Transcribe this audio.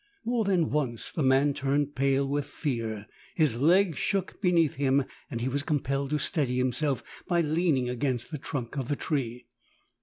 More than once the man turned pale with fear: his legs shook beneath him and he was compelled to steady himself by leaning against the trunk of the tree.